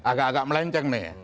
agak agak melenceng nih